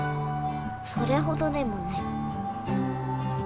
それほどでもない。